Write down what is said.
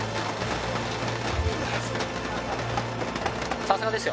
さすがですよ。